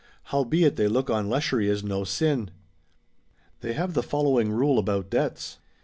Howbeit they look on lechery as no sin. [They have the following rule about debts.